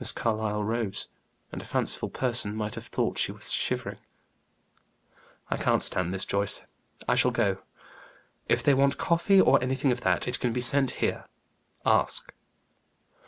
Miss Carlyle rose, and a fanciful person might have thought she was shivering. "I can't stand this, Joyce; I shall go. If they want coffee, or anything of that, it can be sent here. Ask."